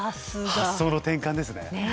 発想の転換ですね。